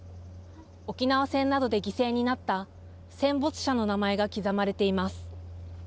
沖縄戦などで犠牲になった戦没者の名前が刻まれています。